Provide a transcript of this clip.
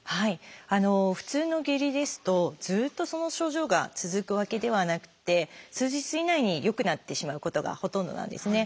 普通の下痢ですとずっとその症状が続くわけではなくて数日以内に良くなってしまうことがほとんどなんですね。